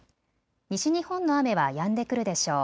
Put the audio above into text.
西日本の雨はやんでくるでしょう。